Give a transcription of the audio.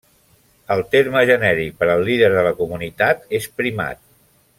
El terme genèric per al líder de la comunitat és Primat.